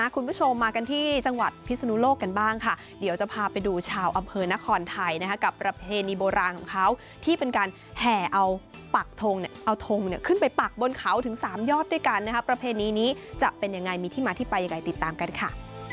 คุณผู้ชมมากันที่จังหวัดพิศนุโลกกันบ้างค่ะเดี๋ยวจะพาไปดูชาวอำเภอนครไทยกับประเพณีโบราณของเขาที่เป็นการแห่เอาปักทงเนี่ยเอาทงขึ้นไปปักบนเขาถึง๓ยอดด้วยกันนะคะประเพณีนี้จะเป็นยังไงมีที่มาที่ไปยังไงติดตามกันค่ะ